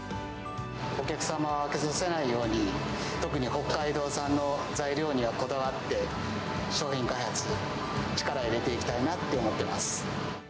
お客様を飽きさせないように、特に、北海道産の材料にはこだわって、商品開発に力を入れていきたいなって思ってます。